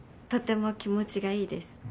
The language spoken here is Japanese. とても気持ちがいいです。